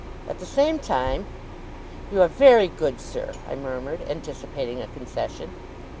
At the same time ' 'You are very good, sir,' I murmured, anticipating a concession.